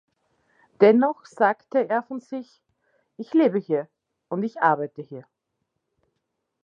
Dennoch sagte er von sich: "Ich lebe hier und ich arbeite hier.